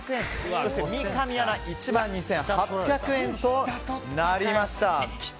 三上アナは１万２８００円となりました。